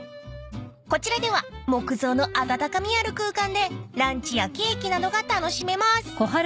［こちらでは木造の温かみある空間でランチやケーキなどが楽しめます］